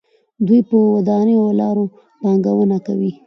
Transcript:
دوی په ودانیو او لارو پانګونه کوي.